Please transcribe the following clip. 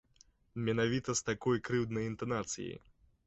Менавіта з такой крыўднай інтанацыяй.